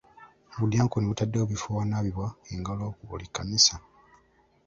Obudyankoni butaddewo ebifo awanaabibwa engalo ku buli kkanisa.